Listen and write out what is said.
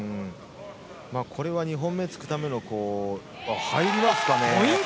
これは２本目突くための入りますかね。